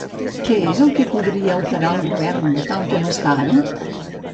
Què és el que podria alterar el govern tal com està ara?